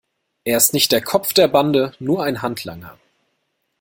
Er ist nicht der Kopf der Bande, nur ein Handlanger.